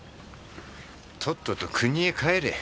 とっとと郷里へ帰れ！